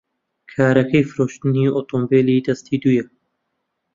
کارەکەی فرۆشتنی ئۆتۆمۆبیلی دەستی دوویە.